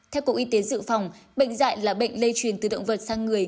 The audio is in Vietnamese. theo cục y tế dự phòng bệnh dạy là bệnh lây truyền từ động vật sang người